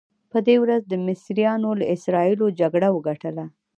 په دې ورځ مصریانو له اسراییلو جګړه وګټله.